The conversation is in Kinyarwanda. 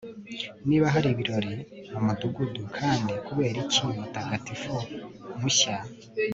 niba hari ibirori mumudugudu, kandi kuberiki umutagatifu mushya